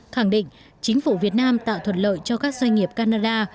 khẳng định chính phủ việt nam tạo thuận lợi cho các doanh nghiệp canada